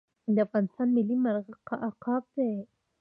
د افغانستان ملي مرغه عقاب دی